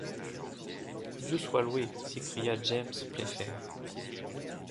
Dieu soit loué! s’écria James Playfair.